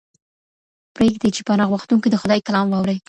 پرېږدئ چي پناه غوښتونکي د خدای کلام واوري.